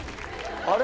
あれ？